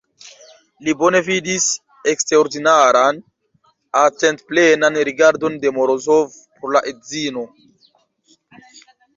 Li bone vidis eksterordinaran, atentplenan rigardon de Morozov por la edzino.